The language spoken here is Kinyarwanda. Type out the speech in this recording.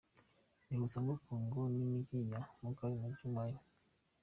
Rihuza Hong Kong n'imijyi ya Macau na Zhuhai.